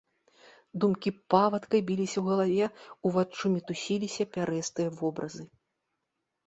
Думкі павадкай біліся ў галаве, уваччу мітусіліся пярэстыя вобразы.